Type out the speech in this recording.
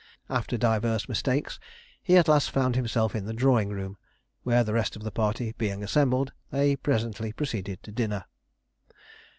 After divers mistakes he at length found himself in the drawing room, where the rest of the party being assembled, they presently proceeded to dinner.